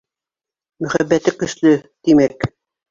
Мөхәббәте көслө, тимәк.